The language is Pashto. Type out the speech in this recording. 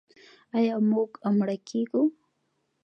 آیا موږ مړه کیږو؟